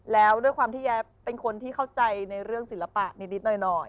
แล้วด้วยความที่แยบเป็นคนที่เข้าใจในเรื่องศิลปะนิดหน่อย